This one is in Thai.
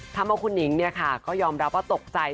ทำเอาคุณหนิงก็ยอมรับว่าตกใจ